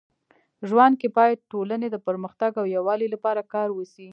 ژوند کي باید ټولني د پرمختګ او يووالي لپاره کار وسي.